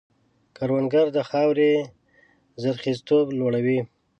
کروندګر د خاورې زرخېزتوب لوړوي